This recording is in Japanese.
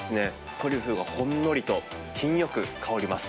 トリュフがほんのりと、品よく香ります。